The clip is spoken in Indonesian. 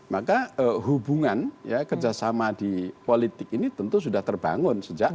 maka hubungan kerjasama di politik ini tentu sudah terbangun sejak